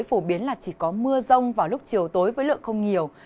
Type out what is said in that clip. phổ biến là chỉ có mưa rông vào lúc chiều tối với lượng không nhiều